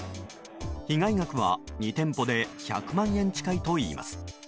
被害額は２店舗で１００万円近いといいます。